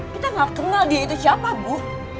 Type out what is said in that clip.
kita gak kenal dia itu siapa bu